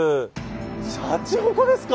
しゃちほこですか。